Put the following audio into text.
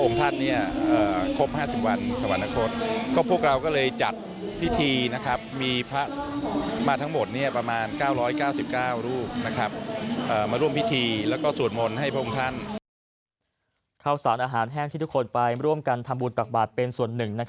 ข้าวสารอาหารแห้งที่ทุกคนไปร่วมกันทำบุญตักบาทเป็นส่วนหนึ่ง